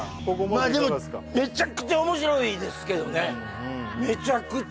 まあでもめちゃくちゃ面白いですよね